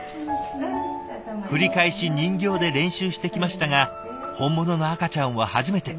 繰り返し人形で練習してきましたが本物の赤ちゃんは初めて。